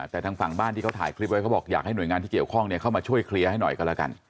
แต่ทางฝั่งบ้านที่เขาถ่ายคลิปไว้เขาบอกอยากให้หน่วยงานที่เกี่ยวข้องเข้ามาช่วยเคลียร์ให้หน่อยกันแล้วกัน